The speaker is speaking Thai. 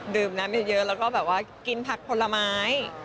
ดื่มน้ำเยอะแล้วก็แบบว่ากินผักผลไม้